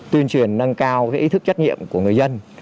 tuyên truyền nâng cao ý thức trách nhiệm của người dân